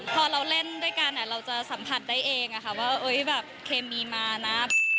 พอเราเล่นด้วยกันเราจะสัมผัสได้เองว่าแบบเคมีมานะ